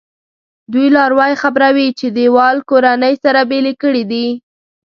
دوی لاروی خبروي چې دیوال کورنۍ سره بېلې کړي دي.